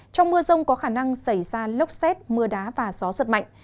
trong mưa rông có khả năng xảy ra lốc xét mưa đá và gió giật mạnh